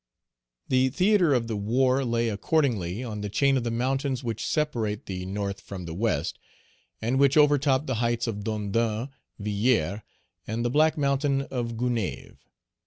The theatre of the war lay accordingly on the chain of the mountains which separate the North from the West, and which overtop the heights of Dondon, Villière, and the black mountain of Gonaïves.